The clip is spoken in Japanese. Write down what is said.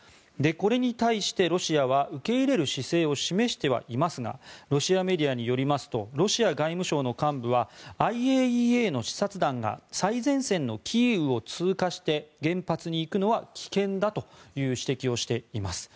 これに対してロシアは受け入れる姿勢を示してはいますがロシアメディアによりますとロシア外務省の幹部はＩＡＥＡの視察団が最前線のキーウを通過して原発に行くのは危険だという指摘をしています。